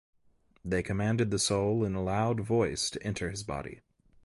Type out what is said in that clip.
They commanded the soul in a loud voice to enter his body.